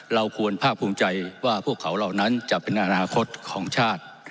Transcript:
เราควรภาคภูมิใจว่าพวกเขาเหล่านั้นจะเป็นอนาคตของชาติ